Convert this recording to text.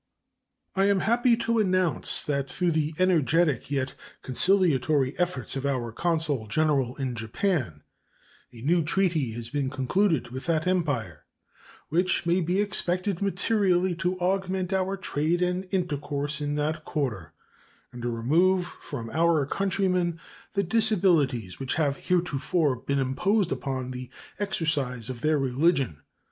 I am happy to announce that through the energetic yet conciliatory efforts of our consul general in Japan a new treaty has been concluded with that Empire, which may be expected materially to augment our trade and intercourse in that quarter and remove from our countrymen the disabilities which have heretofore been imposed upon the exercise of their religion.